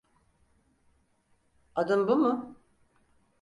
Adın bu mu?